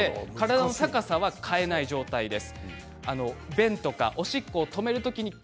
体の高さは変えない状態です。